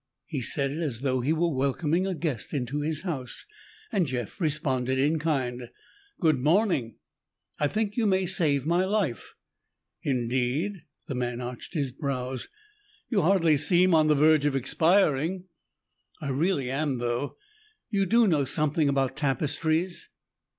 He said it as though he were welcoming a guest into his house, and Jeff responded in kind. "Good morning. I think you may save my life!" "Indeed?" The man arched his brows. "You hardly seem on the verge of expiring." "I really am, though. You do know something about tapestries?"